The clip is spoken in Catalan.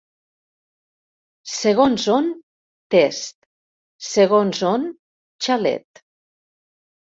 Segons on, test, segons on, xalet.